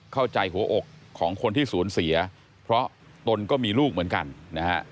เข้าใจหัวอกของคนที่สูญเสียเพราะตนก็มีลูกเหมือนกันนะฮะ